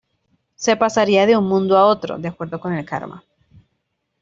Se pasaría de un mundo a otro de acuerdo con el karma.